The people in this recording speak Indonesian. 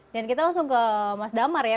dan kita langsung ke mas damar ya